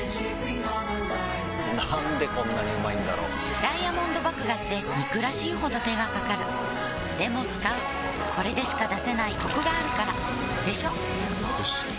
なんでこんなにうまいんだろうダイヤモンド麦芽って憎らしいほど手がかかるでも使うこれでしか出せないコクがあるからでしょよ